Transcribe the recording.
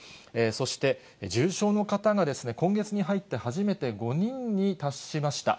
そして、重症の方が今月に入って初めて５人に達しました。